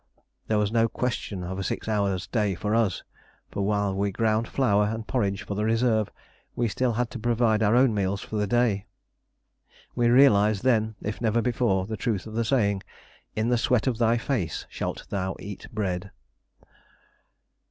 There was no question of a six hours' day for us; for while we ground flour and porridge for the reserve, we had still to provide our own meals for the day. We realised then, if never before, the truth of the saying, "In the sweat of thy face shalt thou eat bread."